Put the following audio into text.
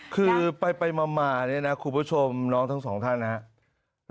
คือไปมาเนี่ยนะคุณผู้ชมน้องทั้งสองท่านนะครับ